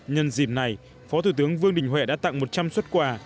nhân dịp này phó thủ tướng vương đình huệ đã tặng một trăm linh xuất quà